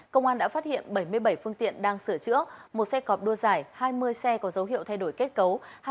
công an đã phát hiện bảy mươi bảy phương tiện đang sửa chữa một xe cọp đua dài hai mươi xe có dấu hiệu thay đổi kết cấu